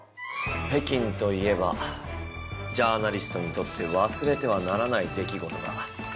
北京といえばジャーナリストにとって忘れてはならない出来事が。